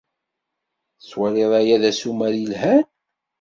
Tettwaliḍ aya d asumer yelhan?